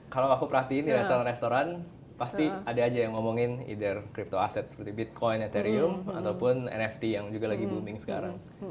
kalau aku perhatiin di restoran restoran pasti ada aja yang ngomongin either crypto aset seperti bitcoin etherium ataupun nft yang juga lagi booming sekarang